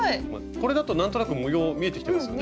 これだと模様見えてきてますよね。